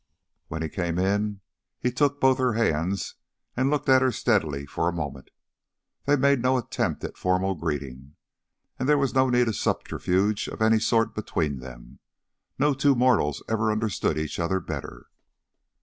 When he came in, he took both her hands and looked at her steadily for a moment. They made no attempt at formal greeting, and there was no need of subterfuge of any sort between them. No two mortals ever understood each other better.